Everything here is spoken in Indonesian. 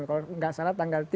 kalau tidak salah tanggal